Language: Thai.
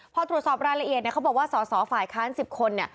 พอตรวจสอบรายละเอียดเขาบอกว่าสอสอฝ่ายค้าน๑๐คน